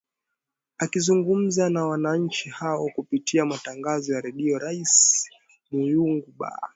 akizungumza na wananchi hao kupitia matangazo ya redio rais myungu bar